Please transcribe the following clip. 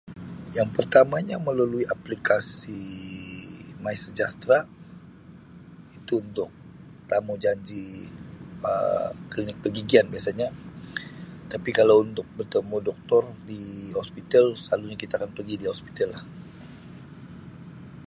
Yang pertamanya melalui aplikasi My Sejahtera itu untuk tamujanji Um klinik pergigian biasanya tapi kalau untuk bertemu Doktor di hospital selalunya kita akan pergi di hospital lah.